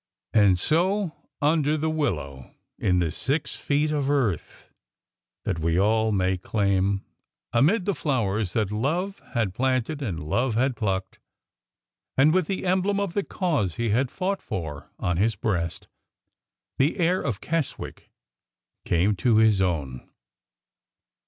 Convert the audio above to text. And so, under the willow, in the six feet of earth that we all may claim, amid the flowers that love had planted and love had plucked, and with the emblem of the cause he had fought for on his breast, the heir of Keswick came to his own!